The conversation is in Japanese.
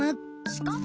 しかも！